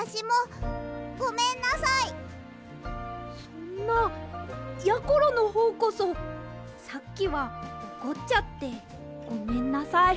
そんなやころのほうこそさっきはおこっちゃってごめんなさい。